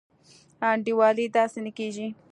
انډيوالي داسي نه کيږي.